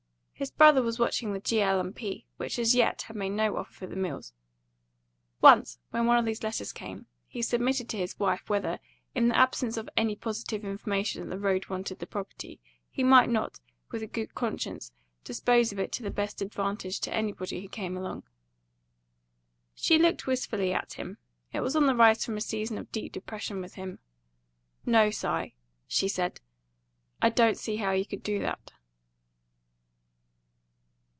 His brother was watching the G. L. & P., which as yet had made no offer for the mills. Once, when one of these letters came, he submitted to his wife whether, in the absence of any positive information that the road wanted the property, he might not, with a good conscience, dispose of it to the best advantage to anybody who came along. She looked wistfully at him; it was on the rise from a season of deep depression with him. "No, Si," she said; "I don't see how you could do that."